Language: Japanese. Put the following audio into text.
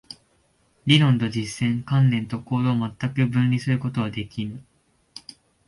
理論と実践、観念と行動を全く分離することはできぬ。